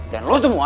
dan lo semua